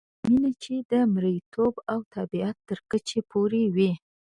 مینه چې د مریتوب او تابعیت تر کچې پورې وي.